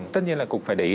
tất nhiên là cục phải để ý